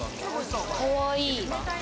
かわいい。